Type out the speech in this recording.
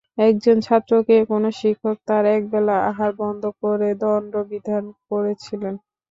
একজন ছাত্রকে কোনো শিক্ষক তার একবেলার আহার বন্ধ করে দণ্ডবিধান করেছিলেন।